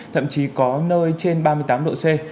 thậm chí có nơi trên ba mươi tám độ c